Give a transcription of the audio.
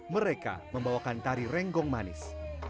mereka membawakan tari renggong manis